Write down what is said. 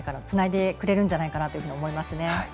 つないでくれるんじゃないかなと思いますね。